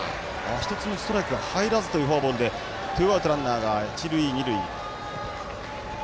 １つもストライクが入らずというフォアボールでツーアウト、ランナーが一塁二塁。